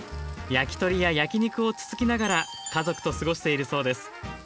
焼き鳥や焼き肉をつつきながら家族と過ごしているそうです。